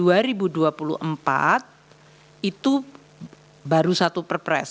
apbn dua ribu dua puluh empat itu baru satu perpres